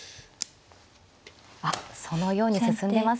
あっそのように進んでます。